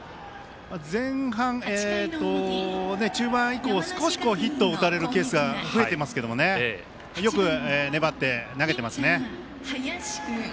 前半、中盤以降少しヒットを打たれるケースが増えていますけどねよく粘って、投げてますね。